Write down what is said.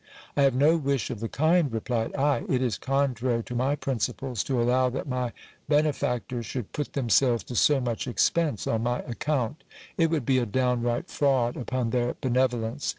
I have no wish of the kind, re 346 GIL BLAS. plied I : it is contrary to my principles to allow that my benefactors should put themselves to so much expense on my account ; it would be a downright fraud upon their benevolence.